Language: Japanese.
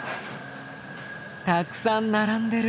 たくさん並んでる。